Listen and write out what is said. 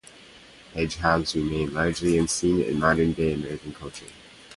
Hedgehogs remain largely unseen in modern-day American culture.